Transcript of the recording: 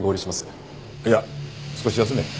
いや少し休め。